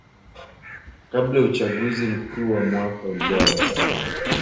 kabla ya uchaguzi mkuu wa mwaka ujao